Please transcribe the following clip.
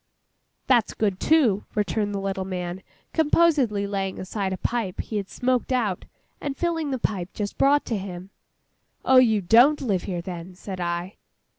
'That's good, too!' returned the little man, composedly laying aside a pipe he had smoked out, and filling the pipe just brought to him. 'Oh, you don't live here then?' said I.